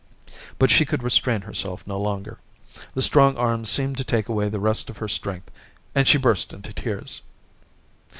But she could restrain herself no longer ; 278 " Orientations the strong arms seemed to take away the rest of her strength, and she burst into tears.